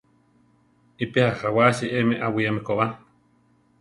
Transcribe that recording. Iʼpéa jawási emi awíame ko ba.